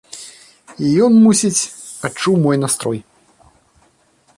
І ён, мусіць, адчуў мой настрой.